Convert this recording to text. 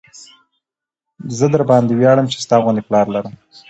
زه درباندې وياړم چې ستا غوندې پلار لرم.